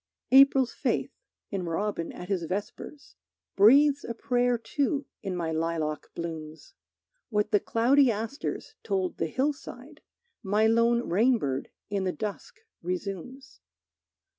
April's faith, in robin at his vespers, Breathes a prayer too in my lilac blooms. What the cloudy asters told the hillside, My lone rainbird in the dusk resumes.